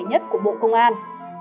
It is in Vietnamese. nhất của bộ công an